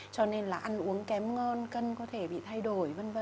cho nên là ăn uống kém ngon cân có thể bị thay đổi v v